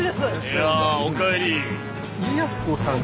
いやあおかえり。